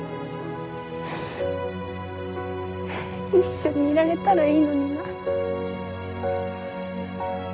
一緒にいられたらいいのにな。